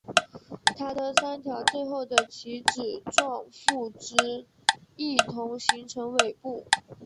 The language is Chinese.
它的三条最后的旗帜状附肢一同形成尾部。